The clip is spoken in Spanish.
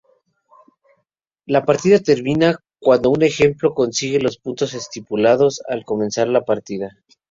La partida termina cuando un equipo consigue los puntos estipulados al comenzar la partida.